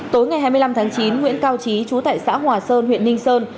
tối ngày hai mươi năm tháng chín nguyễn cao trí chú tại xã hòa sơn huyện ninh sơn